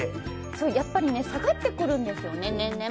やっぱり下がってくるんですよね、年々。